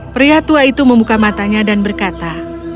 pria tua itu membuka matanya dan berkata